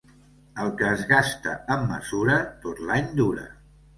El que es gasta amb mesura, tot l'any dura.